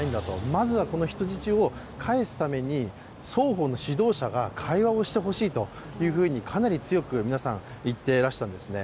まずはこの人質を帰すために双方の指導者が会話をしてほしいとかなり強く皆さん、言っていらしたんですね。